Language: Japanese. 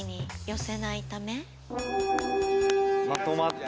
まとまった。